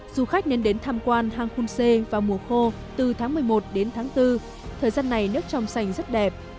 du khách nên đến tham quan hang khunse vào mùa khô từ tháng một mươi một đến tháng bốn thời gian này nước trong sành rất đẹp